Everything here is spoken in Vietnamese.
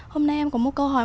hôm nay em có một câu hỏi